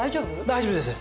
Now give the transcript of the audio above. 大丈夫です。